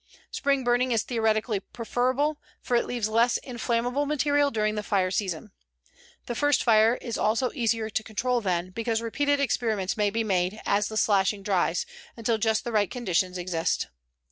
Spring burning is theoretically preferable, for it leaves less inflammable material during the fire season. The first fire is also easier to control then, because repeated experiments may be made, as the slashing dries, until just the right conditions exist.